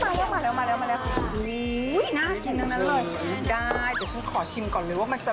น้ำปลกเส้นเล็กลูกชิ้นเยอะใส่หมูไปเลยนะคะ